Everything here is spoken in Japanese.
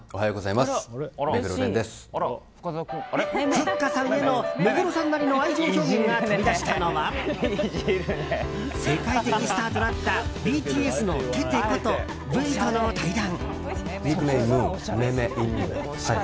ふっかさんへの目黒さんなりの愛情表現が飛び出したのは世界的スターとなったＢＴＳのテテことＶとの対談。